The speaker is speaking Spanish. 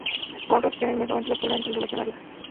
Conrad era inmensamente popular entre los legionarios.